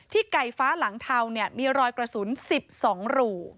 ไก่ฟ้าหลังเทามีรอยกระสุน๑๒รู